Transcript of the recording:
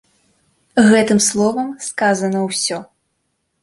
Гэтым словам сказана ўсё.